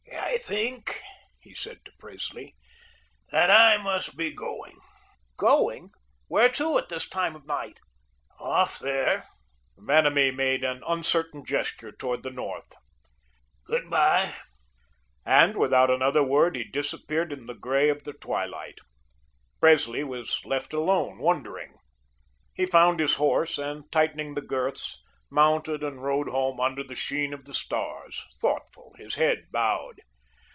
"I think," he said to Presley, "that I must be going." "Going? Where to at this time of night?" "Off there." Vanamee made an uncertain gesture toward the north. "Good bye," and without another word he disappeared in the grey of the twilight. Presley was left alone wondering. He found his horse, and, tightening the girths, mounted and rode home under the sheen of the stars, thoughtful, his head bowed.